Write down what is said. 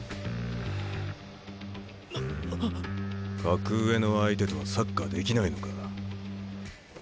格上の相手とはサッカーできないのか？